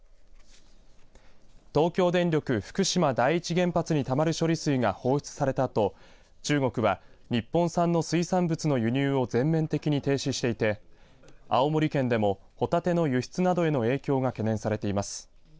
東京電力福島第一原発にたまる処理水が放出されたあと中国は日本産の水産物の輸入を全面的に停止していて青森県でもホタテの輸出などへの影響が懸念されています。